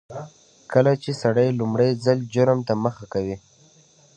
کله چې سړی لومړي ځل جرم ته مخه کوي.